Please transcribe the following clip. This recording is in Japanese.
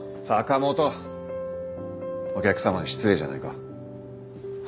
坂元お客様に失礼じゃないか。